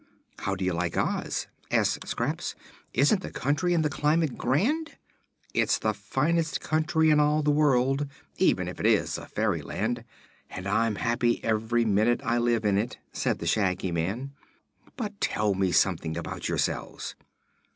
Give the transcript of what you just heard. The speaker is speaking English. "How do you like Oz?" asked Scraps. "Isn't the country and the climate grand?" "It's the finest country in all the world, even if it is a fairyland, and I'm happy every minute I live in it," said the Shaggy Man. "But tell me something about yourselves."